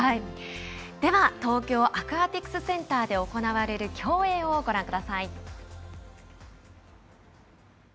では東京アクアティクスセンターで行われる競泳をご覧ください。